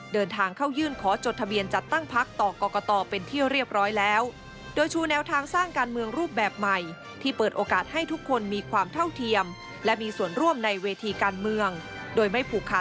เดินทางเข้ายื่นหาจดทะเบียนจัดตั้งภักร์ต่อก็ต่อเป็นที่เรียบร้อยแล้ว